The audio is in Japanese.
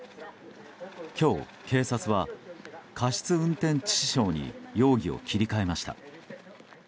今日、警察は過失運転致死傷に容疑を切り替えました。